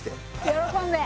喜んで。